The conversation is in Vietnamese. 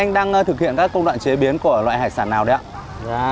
chúng ta thực hiện các công đoạn chế biến của loại hải sản nào đấy ạ